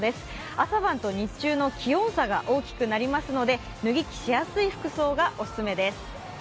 朝晩と気温差が大きくなりますので、脱ぎ着しやすい服装がおすすめです。